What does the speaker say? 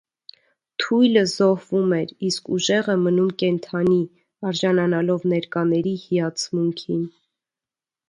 Թույլը զոհվում էր, իսկ ուժեղը մնում կենդանի՝ արժանանալով ներկաների հիացմունքին։